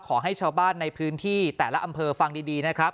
ขอให้ชาวบ้านในพื้นที่แต่ละอำเภอฟังดีนะครับ